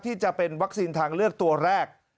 จะเป็นวัคซีนทางเลือกตัวแรก